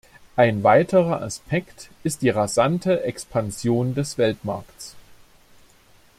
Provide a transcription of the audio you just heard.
Ein weiterer Aspekt ist die rasante Expansion des Weltmarkts.